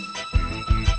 jadi sekarang canggung